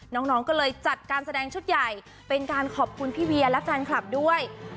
น้องก็เลยจัดการแสดงชุดใหญ่เป็นการขอบคุณพี่เวียและแฟนคลับด้วย